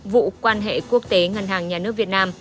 vụ quan hệ quốc tế ngân hàng nhà nước việt nam